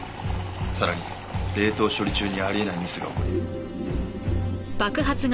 さらに冷凍処理中にあり得ないミスが起こり。